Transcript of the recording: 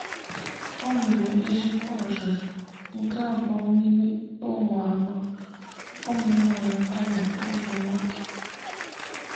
O nwere ezigbo ọzụzụ, nke abụọ n'ime ụmụ anọ, ụmụ nwanyị atọ, otu nwoke.